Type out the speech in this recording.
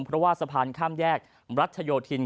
เพราะว่าสะพานข้ามแยกรัชโยธิน